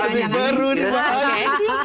habib baru di bawah